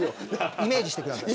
イメージしてください。